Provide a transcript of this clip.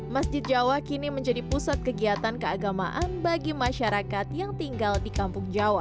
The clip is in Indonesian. masjid jawa kini menjadi pusat kegiatan keagamaan bagi masyarakat yang tinggal di kampung jawa